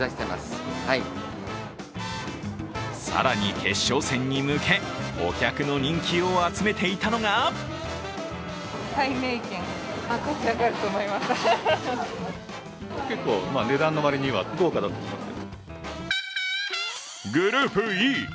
更に決勝戦に向け、お客の人気を集めていたのがグループＥ。